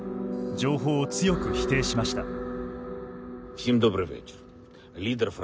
情報を強く否定しました。